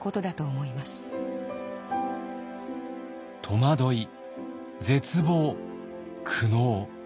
戸惑い絶望苦悩。